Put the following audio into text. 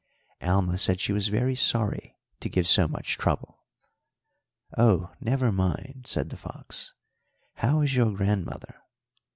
"Alma said she was very sorry to give so much trouble. "'Oh, never mind,' said the fox. 'How is your grandmother?'